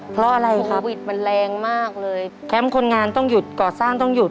เพราะอะไรโควิดมันแรงมากเลยแคมป์คนงานต้องหยุดก่อสร้างต้องหยุด